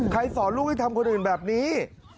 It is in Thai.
สอนลูกให้ทำคนอื่นแบบนี้